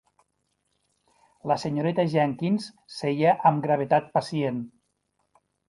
La senyoreta Jenkyns seia amb gravetat pacient.